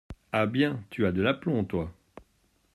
Ah bien, tu as de l’aplomb, toi !